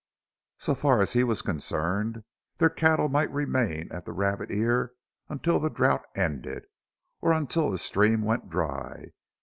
So far as he was concerned their cattle might remain at the Rabbit Ear until the drought ended, or until the stream went dry.